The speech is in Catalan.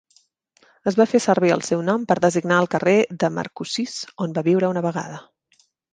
Es va fer servir el seu nom per designar el carrer de Marcoussis on va viure una vegada.